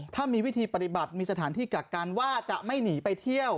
ถ้ามีวิธีปฏิบัติมีสถานที่กักกันว่าจะไม่หนีไปเที่ยว